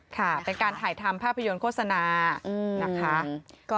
ค่ะเป็นการถ่ายทำภาพยนตร์โฆษณานะคะ